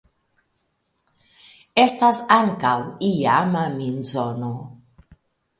Estas ankaŭ iama minzono.